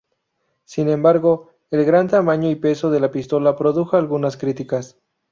Sin embargo, el gran tamaño y peso de la pistola produjo algunas críticas.